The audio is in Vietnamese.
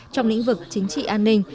trong lĩnh vực chính trị an ninh